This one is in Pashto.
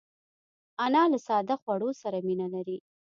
انا له ساده خوړو سره مینه لري